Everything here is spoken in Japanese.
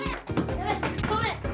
やべ、ごめん。